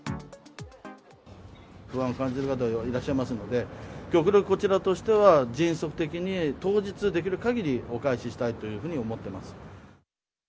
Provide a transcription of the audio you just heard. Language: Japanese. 不安を感じる方はいらっしゃいますので、極力こちらとしては、迅速的に当日できるかぎりお返ししたいというふうに思っています。